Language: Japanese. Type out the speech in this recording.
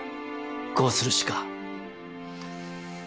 こうするしか。